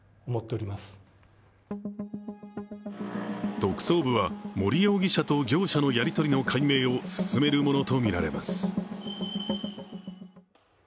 特捜部は森容疑者と業者のやりとりの解明を進めるものとみられます。